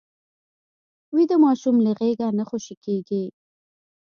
ویده ماشوم له غېږه نه خوشې کېږي